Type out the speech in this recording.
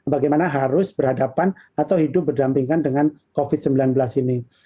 bagaimana harus berhadapan atau hidup berdampingan dengan covid sembilan belas ini